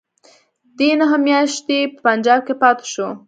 دی نهه میاشتې په پنجاب کې پاته شو.